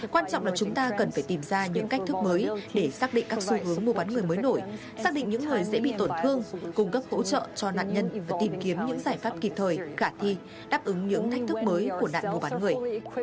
quan trọng là chúng ta cần phải tìm ra những cách thức mới để xác định các xu hướng mua bán người mới nổi xác định những người dễ bị tổn thương cung cấp hỗ trợ cho nạn nhân và tìm kiếm những giải pháp kịp thời khả thi đáp ứng những thách thức mới của nạn mua bán người